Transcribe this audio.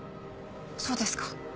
そうですか。